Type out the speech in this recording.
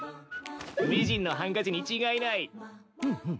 美人のハンカチに違いない！